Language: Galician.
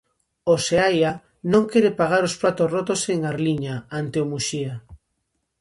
O Seaia non quere pagar os pratos rotos en Arliña, ante o Muxía.